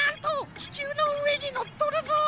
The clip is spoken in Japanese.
ききゅうのうえにのっとるぞ！